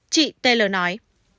chị taylor nói